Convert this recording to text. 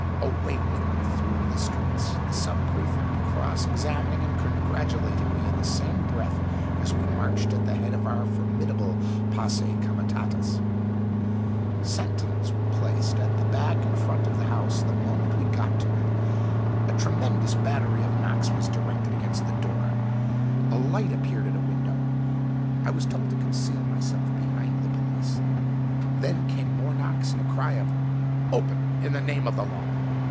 Away we went through the streets, the Sub prefect cross examining and congratulating me in the same breath as we marched at the head of our formidable posse comitatus. Sentinels were placed at the back and front of the house the moment we got to it; a tremendous battery of knocks was directed against the door; a light appeared at a window; I was told to conceal myself behind the police then came more knocks and a cry of "Open in the name of the law!"